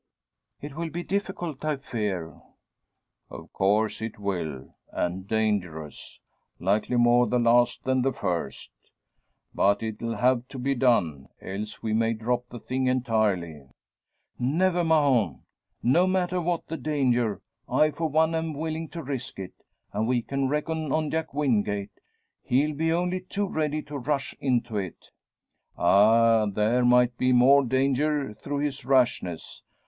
"It will be difficult, I fear." "Of course it will; and dangerous. Likely more the last than the first. But it'll have to be done; else we may drop the thing entirely." "Never, Mahon! No matter what the danger, I for one am willing to risk it. And we can reckon on Jack Wingate. He'll be only too ready to rush into it." "Ah! there might be more danger through his rashness.